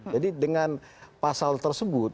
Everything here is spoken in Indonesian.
jadi dengan pasal tersebut